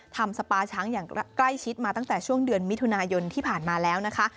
ทำสปาช้างอย่างใกล้ชิดมาตั้งแต่ช่วงเดือนมิถุนายนที่ผ่านมาแล้วนะคะ